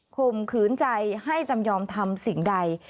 ข่มขืนใจให้จำยอมทำสิ่งใด